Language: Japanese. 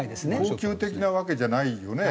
恒久的なわけじゃないよね。